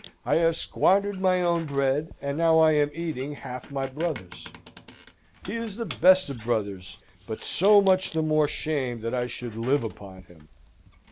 I have squandered my own bread, and now I am eating half my brother's. He is the best of brothers, but so much the more shame that I should live upon him.